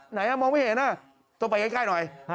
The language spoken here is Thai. ไหนมองไม่เห็นต้องไปใกล้หน่อย